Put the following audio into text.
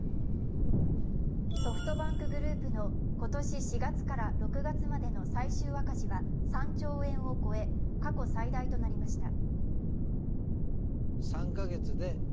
ソフトバンクグループの今年４月から６月までの最終赤字は３兆円を超え、過去最大となりました。